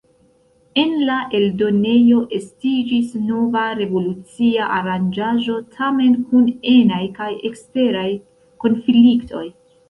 En la eldonejo estiĝis nova revolucia aranĝaĵo, tamen kun enaj kaj eksteraj konfliktoj.